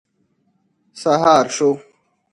سهار شو.